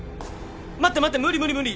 ・待って待って無理無理無理。